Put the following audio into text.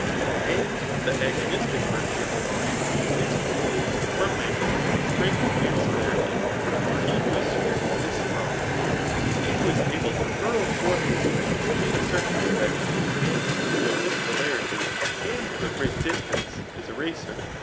And the agonistic virtue of the body is composed from mag« nicude, strength, and celerity ; far he who is swift is Strong ; since he who is able to hnri forth his legs in a certain respect, and to move them with celerity, and to a gre^t distance, is a racer.